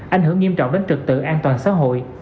ảnh hưởng nghiêm trọng đến trực tự an toàn xã hội